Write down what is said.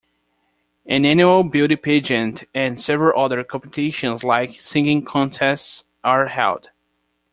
An annual beauty pageant and several other competitions like singing contests are held.